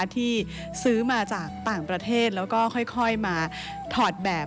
ที่ซื้อมาจากต่างประเทศแล้วก็ค่อยมาถอดแบบ